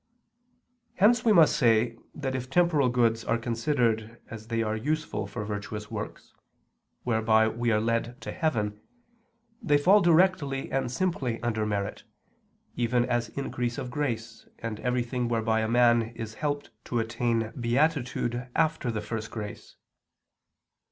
Hence we must say that if temporal goods are considered as they are useful for virtuous works, whereby we are led to heaven, they fall directly and simply under merit, even as increase of grace, and everything whereby a man is helped to attain beatitude after the first grace.